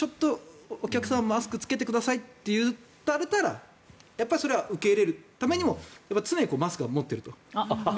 お客様、マスク着けてくださいと言われたら受け入れるためにも常にマスクは持っていると。